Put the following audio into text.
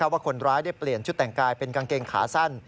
ว่าคนร้ายได้เปลี่ยนชุดแต่งกายเป็นกางเกงขาสั้น